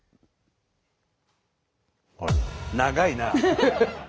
長いな！